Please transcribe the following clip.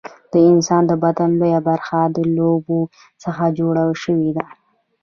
د انسان د بدن لویه برخه له اوبو څخه جوړه شوې ده